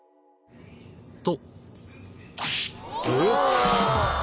［と］